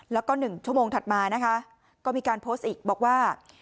แล้วก็๑ชั่วโมงถัดมานะคะก็มีการโพสต์อีกบอกว่า